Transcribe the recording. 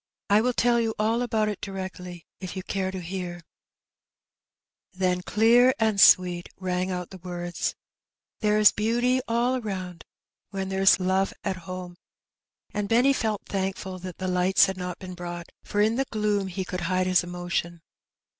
I will tell you all about it directly, if you care to hear/' Then, clear and sweet, rang out the words —There is beauty all aronnd When there's love at home.*' And Benny felt thankful that the lights had not been brought, for in the gloom he could hide his emotion.